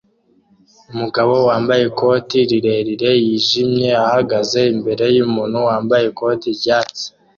Umugabo wambaye ikote rirerire yijimye ahagaze imbere yumuntu wambaye ikoti ryatsi